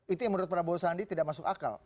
itu yang menurut prabowo sandi tidak masuk akal